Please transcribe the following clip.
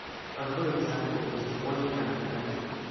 Another example is the oil pan of an engine.